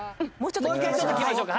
もう一回ちょっと聴きましょうか。